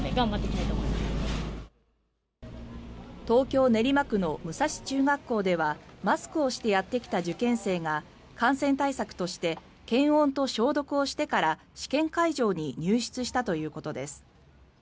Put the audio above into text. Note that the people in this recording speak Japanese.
東京・練馬区の武蔵中学校ではマスクをしてやってきた受験生が感染対策として検温と消毒をしてから試験会場に入室したということです。